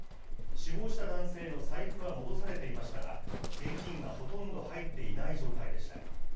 死亡した男性の財布は戻されていましたが、現金がほとんど入っていない状態でした。